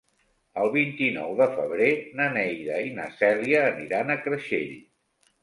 El vint-i-nou de febrer na Neida i na Cèlia aniran a Creixell.